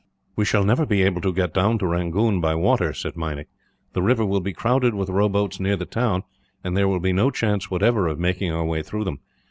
"We shall never be able to get down to Rangoon by water," said Meinik. "The river will be crowded with rowboats near the town; and there will be no chance, whatever, of making our way through them.